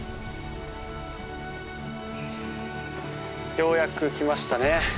ようやく来ましたね。